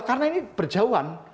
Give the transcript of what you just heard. karena ini berjauhan